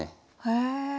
へえ。